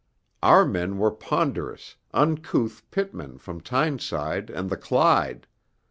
Our men were ponderous, uncouth pitmen from Tyneside and the Clyde.